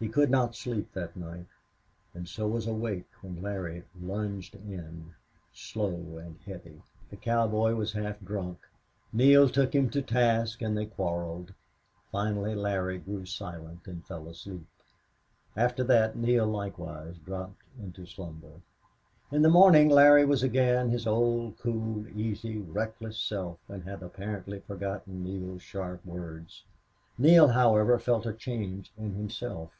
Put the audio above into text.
He could not sleep that night, and so was awake when Larry lounged in, slow and heavy. The cowboy was half drunk. Neale took him to task, and they quarreled. Finally Larry grew silent and fell asleep. After that Neale likewise dropped into slumber. In the morning Larry was again his old, cool, easy, reckless self, and had apparently forgotten Neale's sharp words. Neale, however, felt a change in himself.